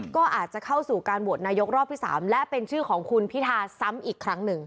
ก็อาจจะเข้าสู่การโหวตนายกรอบที่๓และเป็นชื่อของคุณพิธาซ้ำอีกครั้งหนึ่ง